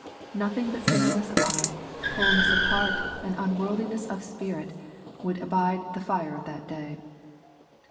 Nothing but singleness of eye, wholeness of heart, and unworldliness of spirit would abide the fire of that day.